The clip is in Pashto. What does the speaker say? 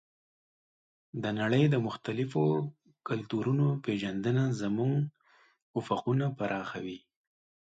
د نړۍ د مختلفو کلتورونو پېژندنه زموږ افقونه پراخوي.